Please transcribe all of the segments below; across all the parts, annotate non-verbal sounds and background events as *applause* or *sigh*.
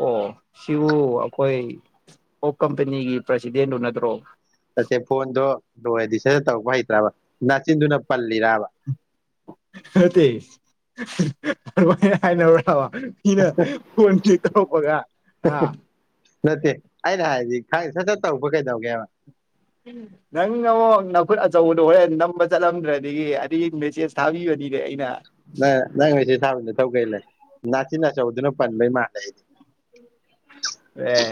ꯑꯣ ꯁꯤꯕꯨ ꯑꯩꯈꯣꯏ ꯑꯣꯛ ꯀꯝꯄꯦꯅꯤꯒꯤ ꯄ꯭ꯔꯁꯤꯗꯦꯟꯗꯨ ꯅꯠꯇ꯭ꯔꯣ ꯅꯠꯇꯦ ꯐꯣꯟꯗꯣ ꯂꯣꯏꯔꯗꯤ ꯁꯗ ꯁꯗ ꯇꯧꯔꯛꯄ ꯍꯩꯇ꯭ꯔꯕ ꯅꯅꯥꯆꯤꯟꯗꯨꯅ ꯄꯜꯂꯤꯔꯕ ꯅꯠꯇꯦ ꯍꯥꯏꯅ ꯏꯅ ꯃꯤꯅ ꯐꯣꯟꯁꯦ ꯇꯧꯔꯛꯀꯄꯒ ꯍꯥ ꯍꯥꯏ ꯁꯠ ꯁꯠ ꯇꯧꯕ ꯀꯩꯗꯧꯒꯦ ꯍꯥꯏꯕ ꯅꯪ ꯑꯃꯨꯛ ꯅꯐꯨꯠ ꯑꯆꯧꯕꯗꯣ ꯍꯣꯔꯦꯟ ꯅꯝꯕ ꯆꯠꯂꯝꯗ꯭ꯔꯗꯤꯗꯒꯤ ꯑꯗꯨ ꯃꯦꯆꯦꯁ ꯊꯥꯕꯤꯕꯅꯤ ꯅꯪ ꯅꯪ ꯉꯁꯤ ꯊꯥꯕꯅꯦ ꯇꯧ ꯀꯩ ꯂꯩ ꯅꯥꯆꯤꯟ ꯅꯥꯆꯗꯨꯅ ꯄꯟꯕꯩ ꯃꯥꯅꯗꯤ ꯑꯦ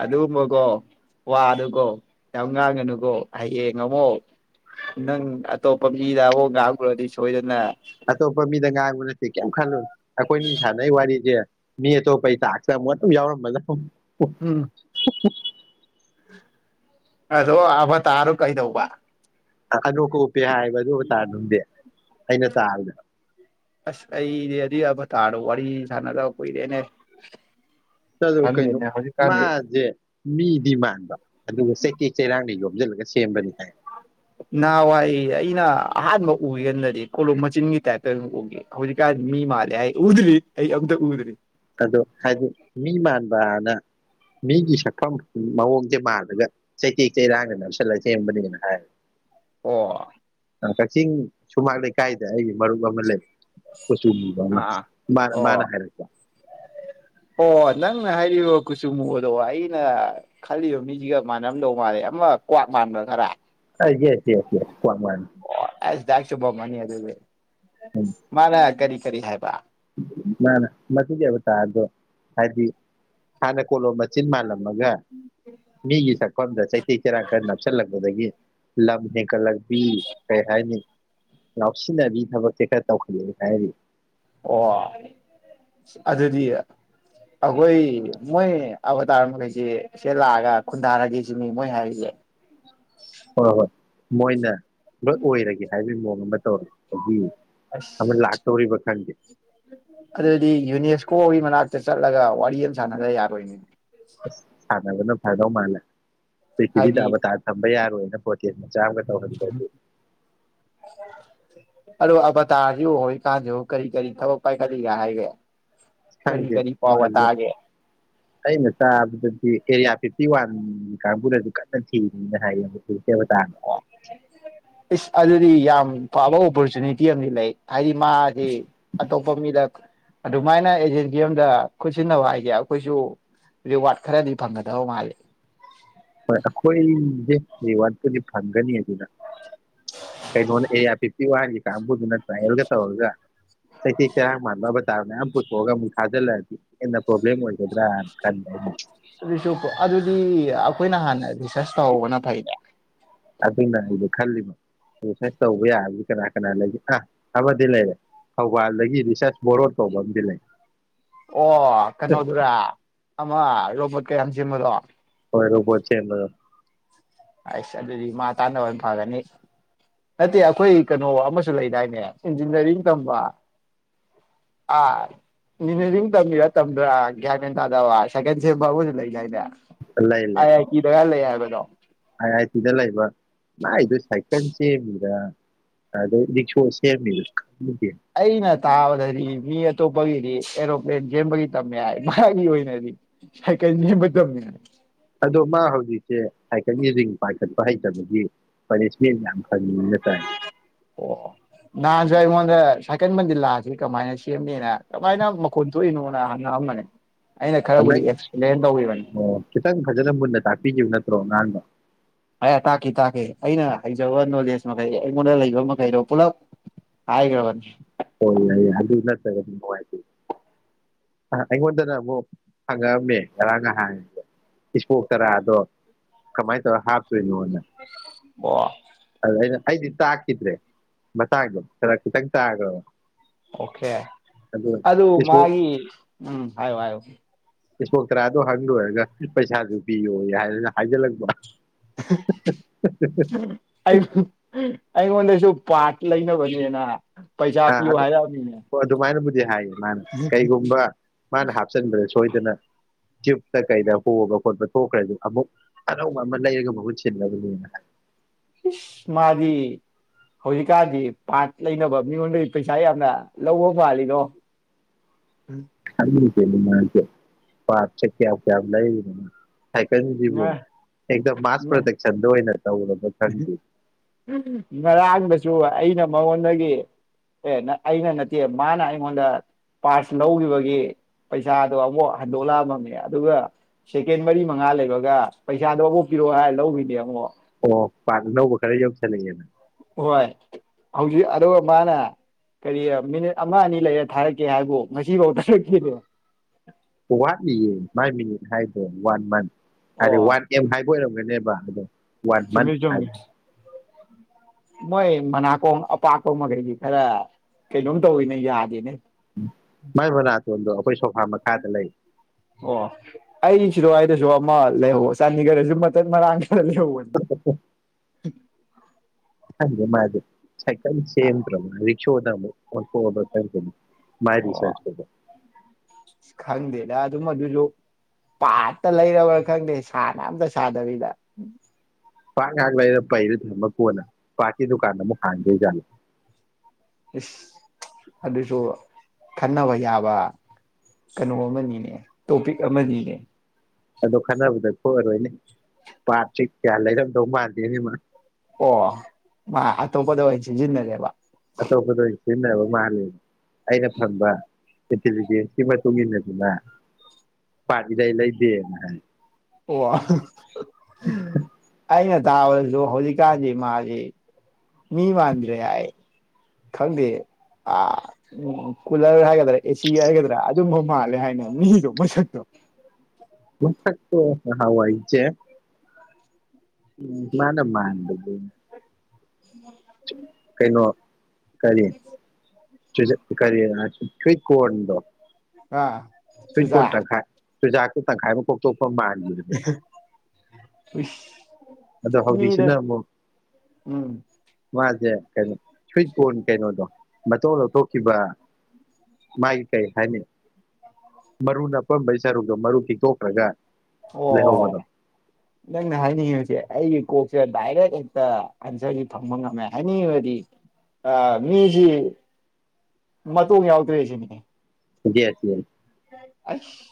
ꯑꯗꯨꯒꯨꯝꯕꯀꯣ ꯋꯥꯗꯨꯀꯣ ꯌꯥꯝ ꯉꯥꯡꯉꯅꯨꯀꯣ ꯍꯌꯦꯡ ꯑꯃꯨꯛ ꯅꯪ ꯑꯇꯣꯞꯄ ꯃꯤꯗ ꯑꯃꯨꯛ ꯉꯥꯡꯎꯔꯗꯤ ꯁꯣꯏꯗꯅ ꯑꯇꯣꯞꯄ ꯃꯤꯗꯪ ꯉꯥꯏꯕ ꯅꯠꯇꯦ ꯀꯦꯝ ꯈꯜꯂꯨ ꯑꯩꯈꯣꯏꯅꯤ ꯁꯥꯟꯅꯩ ꯋꯥꯔꯤꯁꯦ ꯃꯤ ꯑꯇꯣꯞ ꯇꯥꯛꯁꯇ ꯑꯃꯨꯛ ꯌꯥꯎꯔꯝꯃꯗꯕꯅꯤ ꯑꯣ ꯎꯝ ꯑꯗꯣ ꯑꯕ ꯇꯥꯔ ꯀꯩꯗꯧꯕ ꯑꯗꯣ ꯀꯣ ꯄꯦ ꯍꯥꯏꯕ ꯑꯗꯨꯒ ꯇꯥ ꯑꯗꯨꯝꯗꯦ ꯑꯩꯅ ꯇꯥꯕꯗ ꯑꯁ ꯑꯩꯗꯤ ꯑꯗꯨ ꯌꯥꯕ ꯇꯥꯔꯣ ꯋꯥꯔꯤ ꯁꯥꯟꯅꯗꯕ ꯀꯨꯏꯔꯦꯅꯦ ꯀꯩꯅꯣ ꯈꯪꯗꯦꯅꯦ ꯍꯧꯖꯤꯛꯀꯥꯟꯗꯤ ꯃꯥꯁꯦ ꯃꯤꯗꯤ ꯃꯥꯟꯕ ꯑꯗꯨꯒ ꯆꯩꯀꯦꯛ ꯆꯩꯔꯥꯡꯅ ꯌꯣ ꯊꯝꯖꯤꯜꯂꯒ ꯁꯦꯝꯕꯅꯤ ꯍꯥꯏ ꯅꯍꯋꯥꯏ ꯑꯩꯅ ꯑꯍꯥꯟꯕ ꯎ ꯀꯥꯟꯗꯗꯤ ꯀꯣꯂꯣꯝ ꯃꯆꯤꯟꯒꯤ ꯇꯥꯏꯞꯇ ꯑꯗꯨꯝ ꯎꯒꯤ ꯍꯧꯖꯤꯛꯀꯥꯟꯗꯤ ꯃꯤ ꯃꯥꯜꯂꯦ ꯍꯥꯏ ꯎꯗ꯭ꯔꯤ ꯑꯩ ꯑꯝꯇ ꯎꯗ꯭ꯔꯤ ꯑꯗꯣ ꯍꯥꯏꯗꯤ ꯃꯤ ꯃꯥꯟ ꯕꯅ ꯃꯤꯒꯤ ꯁꯛꯐꯝ ꯃꯑꯣꯡꯁꯦ ꯃꯥꯜꯂꯒ ꯆꯩꯇꯦꯛ ꯆꯩꯔꯥꯡꯒ ꯅꯞꯁꯤꯜꯂꯒ ꯁꯦꯝꯕꯅꯦꯅ ꯍꯥꯏ ꯑꯣ ꯀꯛꯆꯤꯡ ꯁꯨꯃꯥꯡ ꯂꯩꯀꯥꯏꯗ ꯑꯩꯒꯤ ꯃꯔꯨꯞ ꯑꯃ ꯂꯩ ꯀꯨꯆꯨ ꯃꯨꯕ ꯑꯃ ꯑꯥ ꯃꯥꯅ ꯃꯥꯅ ꯑꯣ ꯍꯥꯏꯔꯛꯄ ꯑꯣ ꯅꯪꯅ ꯍꯥꯏꯔꯤꯕ ꯀꯨꯆꯨꯃꯨꯕꯗꯣ ꯑꯩꯅ ꯈꯜꯂꯤꯕ ꯃꯤꯁꯤꯒ ꯃꯥꯟꯅꯔꯝꯗꯧ ꯃꯥꯜꯂꯦ ꯑꯃ ꯀ꯭ꯋꯥꯛ ꯃꯥꯟꯕ꯭ꯔꯥ ꯈꯔ ꯌꯦꯁ ꯌꯦꯁ ꯌꯦꯁ ꯀꯋꯥꯛ ꯃꯥꯟ ꯑꯁ ꯗꯥꯛꯆꯨꯝꯃꯝ ꯃꯅꯤ ꯑꯗꯨꯗꯤ ꯃꯥꯅ ꯀꯔꯤ ꯀꯔꯤ ꯍꯥꯏꯕ ꯃꯥꯅ ꯃꯁꯤꯗꯕꯨ ꯇꯥ ꯑꯗꯣ ꯍꯥꯏꯗꯤ ꯍꯥꯟꯅ ꯀꯣꯜꯂꯣꯝ ꯆꯤꯟ ꯃꯥꯜꯂꯝꯃꯒ ꯃꯤꯒꯤ ꯁꯛꯐꯝꯗ ꯆꯩꯇꯦꯛ ꯆꯦꯔꯥꯡ ꯈꯔ ꯅꯞꯁꯤꯜꯂꯛꯄꯗꯒꯤ ꯂꯝꯅꯦ ꯀꯂꯛꯄꯤ ꯀꯩ ꯍꯥꯏꯅꯤ ꯉꯥꯎꯁꯤꯟꯅꯕꯤ ꯊꯕꯛꯁꯦ ꯈꯔ ꯇꯧꯈꯤꯒꯦ ꯈꯜꯂꯤ ꯑꯣ ꯑꯗꯨꯗꯤ ꯑꯩꯈꯣꯏ ꯃꯣꯏ ꯑꯕ ꯇꯥꯔ ꯃꯈꯩꯁꯦ ꯁꯤ ꯂꯥꯛꯑꯒ ꯈꯨꯟꯗꯥꯔꯒꯦ ꯁꯤꯅꯤ ꯃꯣꯏ ꯍꯥꯏꯔꯤꯁꯦ ꯍꯣꯏ ꯍꯣꯏ ꯃꯣꯏꯅ ꯂꯣꯏ ꯑꯣꯏꯔꯒꯦ ꯍꯥꯏꯕꯩ ꯃꯑꯣ ꯑꯗꯨꯃꯥꯢ ꯇꯧ ꯑꯁ ꯈꯪꯗꯦ ꯑꯗꯨꯗꯤ ꯌꯨꯅꯤꯐ ꯀꯣꯒꯤ ꯃꯅꯥꯛꯇ ꯆꯠꯂꯒ ꯋꯥꯔꯤ ꯑꯃ ꯁꯥꯟꯅꯗ ꯌꯥꯔꯣꯏꯅꯦ ꯊꯥꯗꯕꯅ ꯐꯗꯧ ꯃꯥꯂꯦ ꯄ꯭ꯔꯤꯊꯤꯕꯤꯗꯥ ꯍꯥꯏꯗꯤ ꯑꯕꯇꯥꯥꯔ ꯊꯝꯕ ꯌꯥꯔꯣꯏ ꯂꯐꯣꯏ ꯀꯦꯟ ꯃꯆꯥ ꯑꯝꯒ ꯇꯧꯔꯝꯗ꯭ꯔꯗꯤ ꯑꯗꯣ ꯑꯕꯇꯥꯔꯁꯤꯕꯨ ꯑꯣꯏꯀꯥꯟꯖꯤꯕꯨ ꯀꯔꯤ ꯀꯔꯤ ꯊꯕꯛ ꯄꯥꯏꯈꯜꯂꯤꯒꯦ ꯍꯥꯏꯒꯦ ꯀꯔꯤ ꯈꯪꯗꯦ ꯀꯔꯤ ꯄꯥꯎꯒ ꯇꯥꯒꯦ ꯑꯩꯅ ꯇꯥꯕꯗꯗꯤ ꯑꯦꯔꯤꯌꯥ ꯐꯤꯞꯇꯤ ꯋꯥꯟꯒꯤ ꯀꯥꯡꯕꯨꯅꯗꯤ ꯀꯟꯅ ꯆꯦꯜꯂꯤꯅ ꯍꯥꯏꯌꯦ ꯑꯕꯇꯥꯔ ꯏꯁ ꯑꯗꯨꯗꯤ ꯌꯥꯝ ꯐꯥꯕ ꯑꯣꯄꯣꯔꯆꯨꯅꯤꯇꯤ ꯑꯃꯗꯤ ꯂꯩ ꯍꯥꯏꯗꯤ ꯃꯥꯗꯤ ꯑꯇꯣꯞꯄ ꯃꯤꯗ ꯑꯗꯨꯃꯥꯏꯅ ꯑꯦꯖꯦꯟꯁꯤ ꯑꯝꯗ ꯈꯨꯠꯁꯤꯟꯅꯧ ꯍꯥꯏꯖꯦ ꯑꯩꯈꯣꯏꯁꯨ ꯔꯤꯋꯥꯔꯗ ꯈꯔꯗꯤ ꯐꯪꯒꯗꯕ ꯃꯥꯜꯂꯤ ꯍꯣꯏ ꯑꯈꯣꯏ ꯍ ꯋꯥꯠ ꯇꯗꯤ ꯐꯪꯒꯅꯤ ꯗꯨꯗ ꯀꯩꯅꯣꯅꯦ ꯑꯦ ꯑꯥꯔ ꯄꯤ ꯏ ꯋꯥꯔꯤꯁꯦ ꯇꯕꯗꯨꯗ ꯇ꯭ꯔꯥꯌꯦꯔꯒ ꯇꯧꯔꯒ ꯆꯩꯇꯦꯛ ꯆꯔꯥꯡ ꯃꯥꯟꯕ ꯑꯕꯇꯔ ꯃꯌꯥꯝ ꯄꯨꯊꯣꯛꯑꯒ ꯑꯃꯨꯛ ꯊꯥꯖꯤꯜꯂꯛꯑꯗꯤ ꯍꯦꯟꯅ ꯄ꯭ꯔꯣꯕ꯭ꯂꯦꯝ ꯑꯣꯏꯒꯗ꯭ꯔꯥꯅ ꯈꯟꯕ ꯑꯗꯨ *inaudible* ꯆꯁ ꯇꯩꯕꯅ ꯐꯥꯏꯗ ꯈꯜꯂꯤꯃꯤ ꯔꯤꯁꯔꯁ ꯇꯧꯕ ꯌꯥꯔꯗꯤ ꯀꯅꯥ ꯀꯅꯥ ꯂꯩꯒꯦ ꯑꯥ ꯑꯃꯗꯤ ꯂꯩꯔꯦ ꯊꯧꯕꯥꯜꯗꯒꯤ ꯔꯤꯁꯔꯁ ꯕꯣꯔꯣꯠ ꯀꯧꯕ ꯑꯃꯗꯤ ꯂꯩ ꯑꯣ ꯀꯩꯅꯣꯗꯨꯔꯥ ꯑꯃ ꯔꯣ ꯃ ꯀꯩ ꯑꯖꯦꯝꯃꯗꯣ *unintelligible* ꯑꯁ ꯑꯗꯨꯗꯤ ꯃꯥ ꯇꯥꯟꯅꯕ ꯐꯔꯅꯤ ꯅꯠꯇꯦ ꯑꯩꯈꯣꯏ ꯀꯩꯅꯣ ꯑꯃꯁꯨ ꯂꯩꯗꯥꯏꯅꯦ ꯏꯟꯖꯤꯅꯤꯌꯥꯔꯤꯡ ꯇꯝꯕ ꯑꯥ ꯏꯟꯖꯤꯅꯤꯌꯥꯔꯤꯡ ꯇꯝꯃꯤꯔꯥ ꯇꯝꯗ꯭ꯔꯥ ꯒ꯭ꯌꯥꯟ ꯃꯦꯟ ꯇꯥꯗꯕ ꯁꯥꯏꯀꯜ ꯁꯦꯝꯕ ꯑꯃꯁꯨ ꯂꯩꯗꯥꯏꯅꯦ ꯑꯥꯏ ꯑꯥꯏ ꯇꯤꯗꯒ ꯂꯩ ꯍꯥꯏꯕꯅꯦ ꯑꯣ ꯥꯑꯥꯏ ꯑꯥꯏ ꯇꯤꯗꯂꯩꯕ ꯃꯥꯏꯗꯣ ꯁꯥꯏꯀꯜꯁꯦꯝ ꯃꯤꯔꯥ ꯑꯗꯩ ꯔꯤꯛꯁꯣ ꯁꯦꯝꯃꯤꯔ ꯈꯪꯗꯦ ꯑꯩꯅ ꯇꯥꯕꯗꯗꯤ ꯃꯤ ꯑꯇꯣꯞꯄꯒꯤꯗꯤ ꯑꯦꯔꯣꯄ꯭ꯂꯦꯟ ꯁꯦꯝꯦꯝꯕꯒꯤ ꯇꯝꯃꯦ ꯍꯥꯏ ꯃꯒꯤ ꯑꯣꯏꯅꯗꯤ ꯁꯥꯏꯀꯜ ꯅꯦꯝꯕ ꯇꯝꯃꯤ ꯍꯥꯏ ꯑꯗꯣ ꯃꯥ ꯍꯧꯖꯤꯛꯁꯦ ꯁꯏꯀꯜꯒꯤ ꯔꯤꯡ ꯄꯥꯏꯈꯠꯄ ꯍꯩꯇꯕꯒꯤ ꯄꯥꯅꯤꯁꯃꯦꯟ ꯌꯥꯝꯌꯥꯝ *inaudible* ꯁꯥꯏꯀꯜ ꯃꯟꯗꯤꯜꯂꯥꯁꯤ ꯀꯃꯥꯏꯅ ꯁꯦꯝꯅꯤꯅ ꯀꯃꯥꯏꯅ ꯃꯈꯣꯟ ꯊꯣꯛꯏꯅꯣꯅ ꯍꯡ ꯉꯛꯑꯝꯕꯅꯦ ꯑꯩꯅ ꯈꯔꯕꯨꯗꯤ ꯅꯪ ꯑꯦꯛꯁꯄ꯭ꯂꯦꯟ ꯇꯧꯈꯤꯕꯅꯤ ꯈꯤꯇꯪ ꯐꯖꯅ *inaudible* ꯑꯩꯅ ꯇꯥꯛꯈꯤ ꯇꯥꯛꯈꯤ ꯑꯩꯅ ꯍꯩꯖꯕ ꯅꯣꯂꯦꯖ ꯃꯈꯩ ꯑꯩꯉꯣꯟꯗ ꯂꯩꯕ ꯃꯈꯩꯗꯣ ꯄꯨꯂꯞ ꯍꯥꯏꯈ꯭ꯔꯕꯅꯤ ꯍꯣꯏ ꯌꯥ ꯑꯗꯨ ꯅꯠꯇ꯭ꯔꯒ ꯅꯨꯡꯉꯥꯏꯖ ꯑꯩꯉꯣꯟꯗꯅ ꯑꯃꯨꯛ ꯍꯪꯉꯛꯑꯝꯃꯦ ꯉꯔꯥꯡ ꯅꯍꯥꯟ ꯏꯁꯄꯣꯛ ꯆꯔꯥꯗꯣ ꯀꯃꯥꯏꯅ ꯇꯧꯔ ꯍꯥꯞ ꯀꯩꯅꯣꯅꯦ ꯑꯣ ꯑꯗꯨ ꯑꯩꯅ ꯑꯩꯗꯤ ꯇꯥꯛꯈꯤꯗ꯭ꯔꯦ ꯃꯇꯪꯗꯣ ꯐꯔꯛ ꯈꯤꯇꯪ ꯇꯈ꯭ꯔꯕ ꯑꯣꯀꯦ ꯑꯗꯨ ꯏꯁꯄꯣ ꯃꯥꯒꯤ ꯎꯝ ꯍꯥꯏꯌꯨ ꯍꯥꯏꯌꯨ ꯏꯁꯄꯣ ꯇꯔꯥꯗꯣ ꯍꯪ ꯂꯣꯏꯨꯔꯒ ꯄꯩꯁꯥꯁꯨ ꯄꯤꯌꯣ ꯍꯥꯏꯗꯅ ꯍꯥꯏꯖꯤꯜꯂꯛꯄ ꯍꯥ ꯍꯥ ꯍꯥ ꯍꯥ ꯍꯥ ꯍꯥ ꯑꯩꯌꯨ ꯍ ꯑꯩꯉꯣꯟꯗꯁꯨ ꯄꯥꯠ ꯂꯩꯅꯕꯅꯤꯅ ꯄꯩꯁꯥ ꯄꯤꯌꯨ ꯍꯥꯏꯔꯛꯑꯅꯤꯅꯦ ꯍꯥꯏ ꯃꯥ ꯀꯩꯒꯨꯝꯕ ꯃꯥꯅ ꯍꯥꯞꯆꯤꯟꯕꯗ ꯁꯣꯏ ꯑꯗꯨꯅ ꯇ꯭ꯌꯨꯕꯇ ꯀꯩꯗ ꯍꯣꯕ ꯈꯣꯠꯄ ꯇꯣꯛꯈ꯭ꯔꯁꯨ ꯑꯃꯨꯛ ꯑꯅꯧꯕ ꯑꯃ ꯂꯩꯔꯒ ꯃꯍꯨꯠ ꯁꯤꯜꯅꯕꯅꯦꯅ ꯍꯥꯏ ꯏꯁ ꯃꯥꯗꯤ ꯍꯧꯖꯤꯛꯀꯥꯟꯗꯤ ꯄꯥꯔꯠ ꯂꯩꯅꯕ ꯃꯤꯉꯣꯟꯗꯗꯤ ꯄꯩꯁꯥ ꯌꯥꯝꯅ ꯂꯧꯕ ꯃꯥꯥꯜꯂꯤꯗꯣ *unintelligible* ꯄꯥꯔꯠꯁꯦ ꯀꯌꯥꯝ ꯀꯌꯥꯝ ꯂꯩꯔꯤꯅꯣ ꯃꯥ ꯉ ꯁꯥꯏꯀꯜꯁꯤꯕꯨ ꯍꯦꯛꯇ ꯃꯥꯁ ꯉ ꯄ꯭ꯔꯗꯛꯁꯟꯗ ꯑꯣꯏꯅ ꯇꯧꯔꯕ ꯈꯪꯗꯦ ꯉꯔꯥꯡꯗꯁꯨ ꯑꯩꯅ ꯃꯉꯣꯟꯗꯒꯤ ꯑꯦ ꯑꯩꯅ ꯅꯠꯇꯦ ꯃꯥꯅ ꯑꯩꯉꯣꯟꯗ ꯄꯥꯔꯁ ꯂꯧꯈꯤꯕꯒꯤ ꯄꯩꯁꯥꯗꯣ ꯑꯃꯨꯛ ꯍꯟꯗꯣꯛꯂꯛꯑꯝꯅꯦ ꯑꯗꯨꯒ ꯁꯦꯀꯦꯟ ꯃꯔꯤ ꯃꯉꯥ ꯂꯩ ꯒ ꯒ ꯄꯩꯁꯥꯗꯣ ꯑꯃꯨꯛ ꯄꯤꯔꯑꯣ ꯍꯥꯏ ꯂꯧꯈꯤꯅꯦ ꯑꯃꯨꯛ ꯑꯣ ꯄꯥꯔꯠ ꯑꯅꯧꯕ ꯈꯔ ꯌꯧꯁꯜꯂꯛꯑꯦ ꯍꯣꯏ ꯍꯧꯖꯤꯛ ꯑꯗꯨꯒ ꯃꯥꯅ ꯀꯔꯤ ꯃꯤꯅꯤꯠ ꯑꯃ ꯑꯅꯤ ꯂꯩꯔ ꯊꯥꯔꯛꯀꯦ ꯍꯥꯏꯕꯨ ꯉꯁꯤꯐꯥꯎ ꯊꯥꯔꯛꯈꯤꯕ꯭ꯔꯣ ꯋꯥꯠꯂꯤꯌꯦ ꯃꯥꯏ ꯃꯤꯅꯤꯠ ꯍꯥꯏꯗꯣ ꯋꯥꯟ ꯃꯟ *unintelligible* ꯑꯣ ꯑꯣꯏꯔꯝꯒꯅꯦꯕ ꯑꯗꯣ ꯋꯥꯟ ꯃꯟ ꯆꯨꯝꯃꯤ ꯍꯥꯏ ꯆꯨꯝꯃꯤ ꯃꯣꯏ ꯃꯅꯥꯀꯣꯡ ꯑꯄꯥꯛꯄ ꯃꯈꯩꯗꯤ ꯈꯔ ꯀꯩꯅꯣꯝ ꯇꯧꯋꯤꯅꯦ ꯌꯥꯗꯦꯅꯦ ꯃꯥꯏ ꯃꯅꯥꯇꯣꯟꯗꯣ ꯑꯩꯈꯣꯏ ꯁꯣꯐꯥ ꯃꯈꯥꯗ ꯂꯩ ꯁꯤꯋꯥꯏꯗꯁꯨ ꯑꯃ ꯂꯩꯍꯧ ꯆꯥꯟꯗꯤꯒꯔꯗꯁꯨ ꯃꯇꯠ ꯃꯔꯥꯡ ꯈ ꯂꯩꯍꯧꯕꯅꯤ *inaudible* ꯈꯪꯗꯦ ꯃꯗꯤ ꯁꯥꯏꯀꯜ ꯁꯦꯝꯗ꯭ꯔ ꯃꯥꯜꯂꯦ *unintelligible* ꯑꯃꯨꯛ ꯑꯣꯟꯊꯣꯛꯑꯕ꯭ꯔ ꯈꯪꯗꯦꯅꯦ ꯃꯥꯏ ꯑꯣ ꯔꯤꯁ꯭ꯔꯁꯀꯤꯗꯣ ꯈꯪꯗꯦꯗ ꯑꯗꯨꯝꯃ ꯗꯨꯁꯨ ꯄꯥꯔꯠꯇ ꯂꯩꯔꯕ꯭ꯔ ꯈꯪꯗꯦ ꯁꯥꯅꯕꯗ ꯁꯥꯅꯔꯤꯕ ꯄꯥꯔꯠ ꯉꯥꯛ ꯂꯩꯔ ꯄꯩꯔꯥ ꯊꯝꯃ ꯀꯣꯟꯅ ꯄꯥꯔꯠꯀꯤ ꯗꯨꯀꯥꯟ ꯑꯃꯨꯛ ꯍꯥꯡꯗꯣꯏꯖꯥꯠꯂꯣ ꯏꯁ ꯑꯗꯨꯁꯨ ꯈꯟꯅꯕ ꯌꯥꯕ ꯀꯩꯅꯣ ꯑꯃꯅꯤꯅꯦ ꯇꯣꯄꯤꯛ ꯑꯃꯅꯤꯅꯦ ꯑꯗꯣ ꯈꯟꯅꯕꯗ ꯊꯣꯑꯔꯣꯏꯅꯦ ꯄꯥꯠꯁꯤ ꯀꯌꯥ ꯂꯩꯔꯝꯗꯧ ꯃꯥꯟꯗꯦꯅꯦ ꯃꯥ ꯑꯣ ꯃꯥ ꯑꯇꯣꯄꯗ ꯑꯣꯏ ꯆꯤꯟꯖꯤꯅꯔꯦꯕ ꯑꯇꯣꯞꯄꯗ ꯑꯣꯏꯅ ꯁꯤꯖꯤꯟꯅꯕ ꯃꯥꯂꯦ ꯑꯩꯅ ꯐꯪꯕ ꯏꯟꯇꯤꯂꯤꯖꯦꯟꯁꯀꯤ ꯃꯇꯨꯡ ꯅꯦ ꯄꯥꯔꯠ ꯏꯂꯩ ꯂꯩꯗꯦꯅ ꯍꯥꯏ ꯑꯣ *inaudible* ꯑꯩꯅ ꯇꯥꯕꯗꯁꯨ ꯍꯧꯖꯤꯛꯀꯥꯟꯗꯤ ꯃꯥꯁꯤ ꯃꯤ ꯃꯥꯟꯗ꯭ꯔꯦ ꯍꯥꯏ ꯈꯪꯗꯦ ꯑꯥ ꯎꯝ ꯀꯨꯂꯔ ꯍꯥꯏꯒꯗ꯭ꯔ ꯑꯦꯁꯤ ꯍꯥꯏꯒꯗ꯭ꯔ ꯑꯗꯨꯝꯕ ꯃꯥꯜꯂꯦ ꯍꯥꯏꯅꯦ ꯃꯤꯗꯣ ꯃꯁꯛꯇꯣ ꯃꯁꯛꯇꯣ ꯅꯍꯥꯟꯋꯥꯏꯖꯦ ꯎꯝ ꯃꯥꯅ ꯃꯥꯟꯕ ꯎꯝ *inaudible* ꯀꯔꯤ ꯆꯨꯖ ꯀꯔꯤ ꯍ ꯁꯨꯏꯠ ꯀꯣꯔꯟꯗꯣ *unintelligible* ꯁꯨꯏꯠ ꯀꯣꯔꯟ ꯆꯨꯖꯥ ꯇꯪꯈꯥꯏ ꯆꯨꯖꯥꯛ ꯇꯪꯈꯥꯏꯃ ꯀꯣꯛꯊꯣꯛꯄ ꯃꯥꯜꯕꯤꯗꯨꯅꯦ ꯎꯏꯁ ꯑꯗꯣ ꯃꯤꯗ ꯍꯧꯖꯤꯛꯁꯤꯅ ꯑꯃꯨꯛ ꯎꯝ ꯃꯥꯖꯦ ꯀꯩꯅ ꯁ꯭ꯋꯤꯠ ꯀꯣꯔꯟ ꯀꯩꯅꯣꯗꯣ ꯃꯇꯧ ꯂꯧꯊꯣꯛꯈꯤꯕ ꯃꯥꯒꯤ ꯀꯩ ꯍꯥꯏꯅꯤ ꯃꯔꯨ ꯅꯄꯝꯕꯩ ꯁꯔꯨꯛꯇꯣ ꯃꯔꯨ ꯄꯤꯛꯇꯣꯛꯈ꯭ꯔꯒ ꯂꯩꯍꯧꯕꯗꯣ ꯑꯣ ꯅꯪꯅ ꯍꯥꯏꯅꯤꯡꯉꯤꯕꯁꯦ ꯑꯩꯒꯤ ꯀꯣꯛꯁꯦ ꯗꯥꯏꯔꯦꯛ ꯍꯦꯛꯇ ꯑꯟꯁꯔꯁꯤ ꯐꯪꯕ ꯉꯝꯃꯦ ꯍꯥꯏꯅꯤꯡꯏꯕꯗꯤ ꯑ ꯃꯤꯁꯤ ꯃꯇꯣꯡ ꯌꯥꯎꯗ꯭ꯔꯦꯁꯤꯅꯦ ꯗꯦꯠ ꯄꯨ ꯑꯁ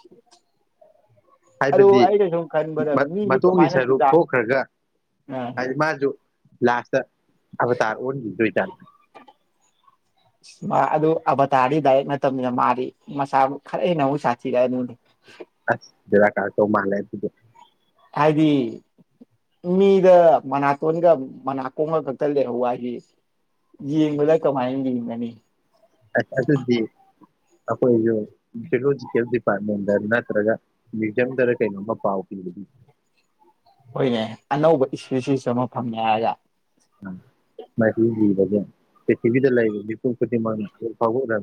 ꯑꯗꯨ ꯍꯥꯏꯕꯗꯤ ꯑꯩꯅ ꯁꯨꯝ ꯈꯟꯕꯗ ꯃꯤꯁꯤ ꯃꯇꯨꯡꯣꯒꯤ ꯀꯃꯥꯏꯅ ꯁꯔꯨꯛ ꯆꯨꯖꯥꯛ ꯊꯣꯛꯈ꯭ꯔꯒ ꯑꯥ ꯍꯥꯏꯗꯤ ꯃꯥꯁꯨ ꯂꯥꯁꯇ ꯑꯕ ꯇꯥꯔ ꯑꯣꯔꯅꯤ ꯁ꯭ꯋꯤꯗ ꯃꯥ ꯑꯗꯨ ꯑꯕꯇꯥꯔꯗꯤ ꯗꯥꯏꯔꯤꯛ ꯅꯠꯇꯅꯤꯅ ꯃꯥꯗꯤ ꯃꯁꯥꯕꯨ ꯈꯔ ꯍꯦꯟꯅ ꯑꯃꯨꯛ ꯁꯥꯊꯤꯔꯛꯑꯅꯨꯅꯦ ꯑꯁ ꯔ ꯀꯥ ꯇꯧ ꯃꯥꯂꯦ ꯁꯤꯗꯤ ꯍꯥꯏꯗꯤ ꯃꯤꯗ ꯃꯅꯥꯇꯣꯟꯒ ꯃꯅꯥꯀꯣꯡꯒ ꯈꯛꯇ ꯂꯩꯍꯧꯕ ꯍꯥꯏꯁꯤ ꯌꯦꯡꯕꯗ ꯀꯃꯥꯏꯅ ꯌꯦꯡꯒꯅꯤ ꯑ ꯑꯗꯨꯗꯤ ꯑꯩꯈꯣꯏꯁꯨ ꯖꯂꯣꯖꯤꯀꯦꯜ ꯗꯤꯄꯥꯔꯠꯃꯦꯟꯗ ꯅꯠꯇ꯭ꯔꯒ ꯃ꯭ꯌꯨꯖꯤꯝꯗꯔ ꯀꯩꯅꯣꯝꯃ ꯄꯥꯎ ꯄꯤꯕ ꯍꯣꯏꯅꯦ ꯑꯅꯧꯕ ꯏꯁꯨ ꯏꯁꯤꯁꯨ ꯑꯃ ꯐꯪꯉꯦ ꯍꯥꯏꯔꯒ ꯑ ꯃ *unintelligible* ꯄ꯭ꯔꯤꯊꯤꯕꯤꯗ ꯂꯩꯔꯤꯕ ꯃꯤꯄꯨꯝ ꯈꯨꯗꯤꯡꯃꯛꯅ ꯍꯧ ꯐꯥꯎ ꯎꯡꯗ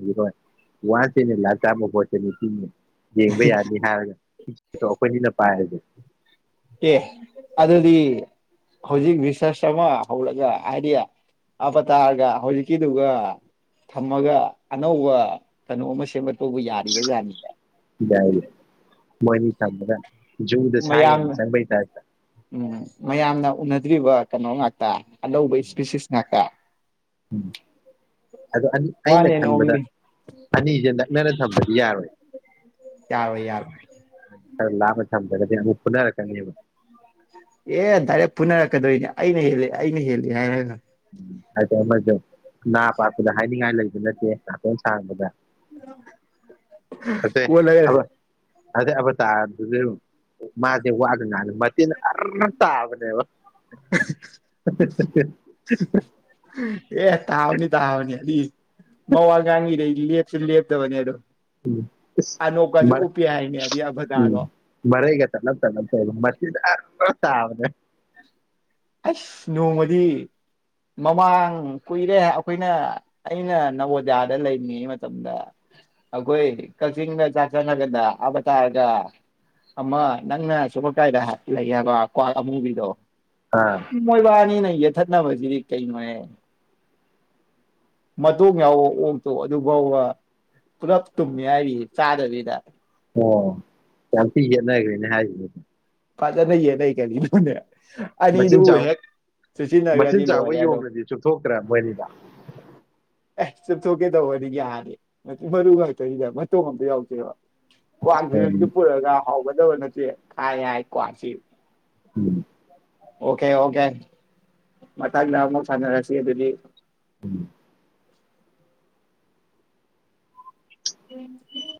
ꯋꯥꯟꯁ ꯏꯟ ꯑꯦ ꯂꯥꯏꯕ ꯇꯥꯏꯃ ꯑꯣꯄꯣꯔꯆꯨꯅꯤꯇꯤ ꯌꯦꯡꯕ ꯌꯥꯔꯅꯤ ꯍꯥꯏꯔꯒ ꯑꯩꯈꯣꯏꯅꯤꯅ ꯄꯥꯏꯔꯗꯤ *unintelligible* ꯑꯦ ꯑꯗꯨꯗꯤ ꯍꯧꯖꯤꯛ ꯔꯤꯁꯔꯁ ꯑꯃ ꯍꯧꯔꯒ ꯍꯥꯏꯗꯤ ꯑꯕꯇꯥꯔꯒ ꯍꯧꯖꯤꯛꯀꯤꯗꯨꯒ ꯊꯝꯃꯒ ꯑꯅꯧꯕ ꯀꯩꯅꯣ ꯑꯃ ꯁꯦꯝꯒꯠꯄꯕꯨ ꯌꯥꯔꯤꯕꯖꯥꯠꯅꯤꯅꯦ ꯌꯥꯏꯌꯦ ꯃꯣꯏꯅꯤ ꯊꯝꯕꯗ ꯖ꯭ꯌꯨꯗ ꯁꯥꯏꯑ ꯃꯌꯥꯝꯅ ꯁꯪꯕ꯭ꯔꯩ ꯇ ꯎꯝ ꯃꯌꯥꯝꯅ ꯎꯅꯗ꯭ꯔꯤꯕ ꯀꯩꯅꯣ ꯉꯥꯛꯇ ꯑꯅꯧꯕꯩ ꯏꯁꯄꯤꯦꯁꯤꯁꯉꯥꯛꯇ ꯎꯝ ꯑ ꯋꯥꯟ ꯑꯩꯅ ꯑꯦꯟ ꯈꯟꯕꯗ ꯑꯣꯡꯂꯤ ꯑꯅꯤꯁꯦ ꯅꯛꯅꯅ ꯊꯝꯕꯗꯤ ꯌꯥꯔꯣꯏ ꯌꯥꯔꯣꯏ ꯌꯥꯔꯣꯏ ꯈꯔ ꯂꯥꯞꯅ ꯊꯝꯗ꯭ꯔꯒꯗꯤ ꯑꯃꯨꯛ ꯎꯅꯔꯀꯥꯅꯤꯕ ꯑꯦ ꯗꯥꯏꯔꯦꯛ ꯐꯨꯅꯔꯛꯀꯗꯣꯏꯅꯦ ꯑꯩꯅ ꯍꯦꯜꯂꯤ ꯑꯩꯅ ꯍꯦꯜꯂꯤ ꯍꯥꯏꯔꯒ ꯍꯥꯏ ꯑꯃꯁꯨ ꯅꯥ ꯥ ꯄꯥꯛꯄꯗ ꯍꯥꯏꯅꯤꯡꯉꯥꯏ ꯂꯩꯕ ꯅꯠꯇꯦ ꯅꯥꯇꯣꯟ ꯁꯥꯥꯡꯕꯗ *unintelligible* ꯀꯨꯍ ꯂꯩꯒꯦ ꯑꯗꯩ ꯑꯕ ꯇꯥꯗꯔꯗꯨꯖꯨ ꯃꯥꯁꯦ ꯋꯥꯒ ꯉꯥꯡ ꯃꯇꯤꯟ ꯑꯔ ꯇꯥꯕꯅꯦꯕ ꯍ ꯍ ꯍ ꯍ ꯍꯨ ꯖꯨ ꯖꯤ ꯑꯦ ꯇꯥꯥꯎꯅꯤ ꯇꯥꯥꯎꯅꯤ ꯗꯤ *unintelligible* ꯏꯂꯦꯞ ꯁꯨ ꯂꯦꯞꯇꯕꯅꯦ ꯑꯗꯣ ꯎꯝ ꯑꯁ ꯑꯅꯣꯞꯀꯁꯨ ꯃꯔ ꯎꯞꯄꯦ ꯍꯥꯏꯅꯦ ꯑꯗꯨꯏ ꯎꯝ ꯑꯕꯗꯥꯗꯣ ꯃꯔꯩꯒ ꯇꯠꯂꯛꯇꯅ ꯐꯣꯟ ꯇꯥꯕꯅꯦ ꯑꯁ ꯅꯣꯡꯃꯗꯤ ꯃꯃꯥꯡ ꯀꯨꯏꯔꯦ ꯑꯩꯈꯣꯏꯅ ꯑꯩꯅ ꯅꯕꯣꯗꯤꯌꯥꯗ ꯂꯩꯔꯤꯉꯩ ꯃꯇꯝꯗ ꯑꯩꯈꯣꯏ ꯀꯛꯆꯤꯡꯗ ꯆꯥꯛ ꯆꯪꯉꯒꯗ ꯍꯥꯏꯕ ꯇꯥꯔꯒ ꯑꯃ ꯅꯪꯅ ꯑꯁꯨ ꯀꯥꯏꯗ ꯂꯩ ꯍꯥꯏꯕ ꯀ꯭ꯋꯥꯛ ꯑꯃꯨꯕꯤꯗꯣ ꯑꯥ ꯃꯣꯏꯕꯅꯤ ꯂꯩ ꯌꯦꯊꯠꯅꯕꯁꯤꯗꯤ ꯀꯩꯅꯣꯍꯦ ꯃꯇꯣꯡ ꯌꯥꯎꯕ ꯑꯣꯛꯇꯣ ꯑꯗꯨꯐꯥꯎꯕ ꯄꯨꯂꯞ ꯇꯨꯝꯃꯦ ꯍꯥꯏꯔꯤ ꯆꯥꯗꯕꯤꯗ ꯑꯣ *unintelligible* *unintelligible* *unintelligible* ꯃꯆꯤꯟ ꯑꯅꯤꯗꯨꯕꯨ ꯆꯥꯎ ꯍꯦꯛ ꯃꯆꯤꯟ ꯆꯨꯁꯤꯟꯅꯔꯒꯗꯤ ꯆꯥꯎꯕ ꯂꯣꯏꯔꯦ ꯑꯗꯨꯝ ꯌꯣꯡꯗꯨꯗꯤ ꯆꯨꯞꯊꯣꯛꯇ꯭ꯔꯥ ꯃꯣꯏꯅꯤꯗꯣ ꯑꯦ ꯆꯨꯞꯊꯣꯛꯀꯦ ꯇꯧꯕꯅꯤ ꯌꯥꯔꯦ ꯃꯔꯨ ꯉꯥꯛꯇꯅꯤꯅ ꯃꯇꯣꯡ ꯑꯝꯇ ꯌꯥꯎꯗꯦꯕ ꯀꯥꯟꯗꯦꯁꯗꯤ ꯎꯝ ꯄꯨꯔꯒ ꯍꯥꯎꯕ *unintelligible* ꯎꯝ ꯑꯣꯀꯦ ꯑꯣꯀꯦ ꯃꯊꯪꯗ ꯁꯟꯅꯔꯁꯤ ꯑꯗꯨꯗꯤ ꯎꯝ ꯎꯝ